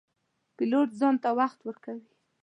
پیلوټ ځان ته وخت ورکوي.